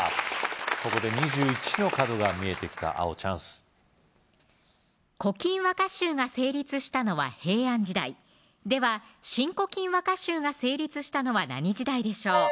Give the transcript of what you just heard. ここで２１の角が見えてきた青チャンス古今和歌集が成立したのは平安時代では新古今和歌集が成立したのは何時代でしょう